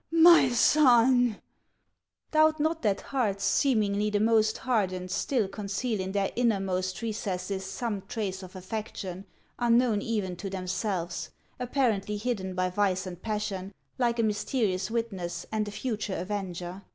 My son .'" Doubt not that hearts seemingly the most hardened still conceal in their innermost recesses some trace of affection unknown even to themselves, apparently hidden by vice and passion, like a mysterious witness and a future avenger.